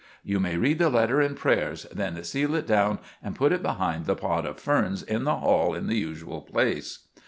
You may read the letter in prayers, then seal it down and put it behind the pot of ferns in the hall in the usual place."